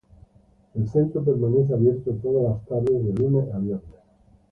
El centro permanece abierto todas las tardes de lunes a viernes.